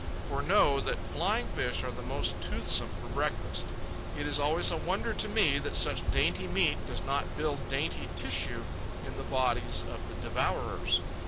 For know that flying fish are most toothsome for breakfast. It is always a wonder to me that such dainty meat does not build dainty tissue in the bodies of the devourers.